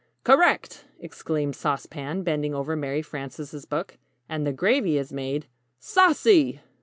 "Correct!" exclaimed Sauce Pan, bending over Mary Frances' book. "And the gravy is made " "Saucy!"